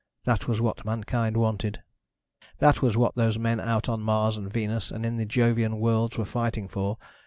that was what mankind wanted. That was what those men out on Mars and Venus and in the Jovian worlds were fighting for.